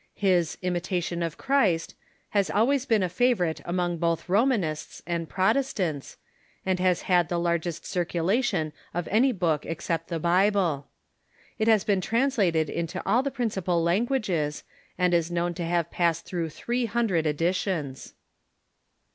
Ilis "Imitation of Christ" has always been a favorite among both Romanists and Protes tants, and has had the largest circulation of any book except the Bible. It has been translated into all the principal lan guages, and is known to have passed through three hundred editions.